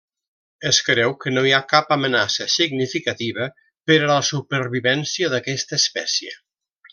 Es creu que no hi ha cap amenaça significativa per a la supervivència d'aquesta espècie.